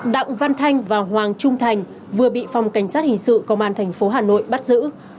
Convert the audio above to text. đặng văn thanh và hoàng trung thành vừa bị phòng cảnh sát hình sự công an thành phố hà nội bắt giữ